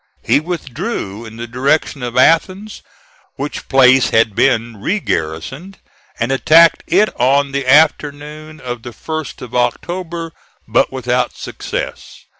He withdrew in the direction of Athens which place had been regarrisoned, and attacked it on the afternoon of the 1st of October, but without success.